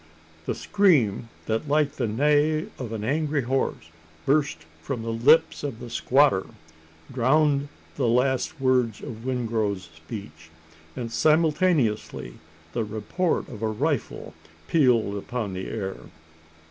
The scream that, like the neigh of an angry horse, burst from the lips of the squatter, drowned the last words of Wingrove's speech; and simultaneously the report of a rifle pealed upon the air.